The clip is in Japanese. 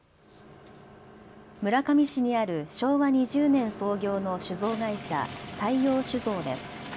村上市にある昭和２０年創業の酒造会社、大洋酒造です。